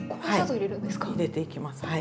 入れていきますはい。